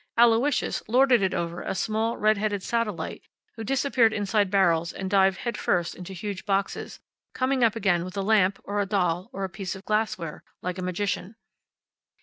Aloysius lorded it over a small red headed satellite who disappeared inside barrels and dived head first into huge boxes, coming up again with a lamp, or a doll, or a piece of glassware, like a magician.